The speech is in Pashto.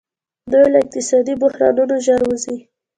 دوی له اقتصادي بحرانونو ژر وځي.